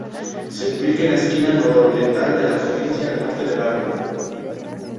Se ubica en la esquina nororiental de la provincia, al norte de Varna.